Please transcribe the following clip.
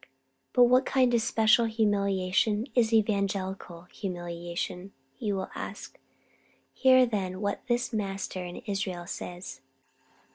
But what special kind of humiliation is evangelical humiliation? you will ask. Hear, then, what this master in Israel says.